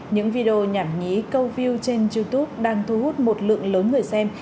những video nhảm nhí câu view trên youtube đang thu hút một lượng lớn người xem